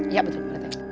iya betul pak ranti